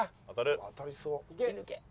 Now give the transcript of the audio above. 当たりそう。